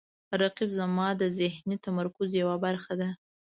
رقیب زما د ذهني تمرکز یوه برخه ده